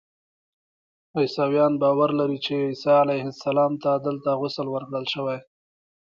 عیسویان باور لري چې عیسی علیه السلام ته دلته غسل ورکړل شوی.